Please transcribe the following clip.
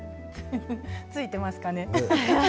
ついていますかね。